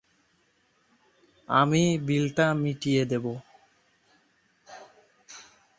আমি বিলটা মিটিয়ে দেব।